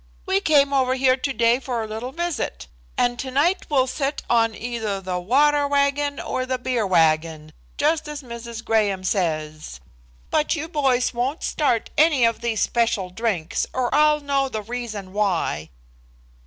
We came over here today for a little visit, and tonight we'll sit on either the water wagon or the beer wagon, just as Mrs. Graham says. But you boys won't start any of these special drinks, or I'll know the reason why."